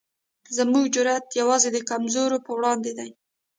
زموږ جرئت یوازې د کمزورو پر وړاندې دی.